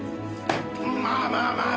まあまあまあ。